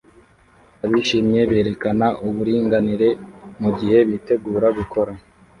Abishimye berekana uburinganire mugihe bitegura gukora